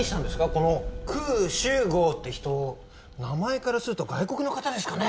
このクウシュウゴウって人名前からすると外国の方ですかね？